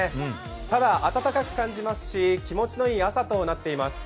ただ、暖かく感じますし、気持ちのいい朝となっています。